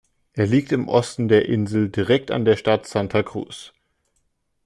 Er liegt im Osten der Insel direkt an der Stadt Santa Cruz.